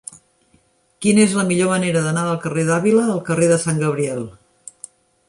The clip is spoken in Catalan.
Quina és la millor manera d'anar del carrer d'Àvila al carrer de Sant Gabriel?